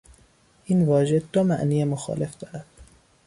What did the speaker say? این واژه دو معنی مخالف دارد.